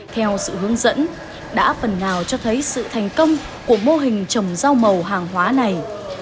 theo sự hướng dẫn đã phần nào cho thấy sự thành công của mô hình trồng rau màu hàng hóa này